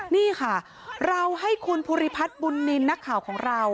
นี่ค่ะเราให้คุณภูริพัฒน์บุญนินทร์นักข่าวของเรา